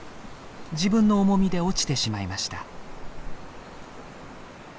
自分の重みで落ちてしまいました。